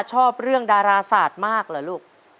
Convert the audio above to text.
ชอบเรื่องดาราศาสตร์มากเหรอลูก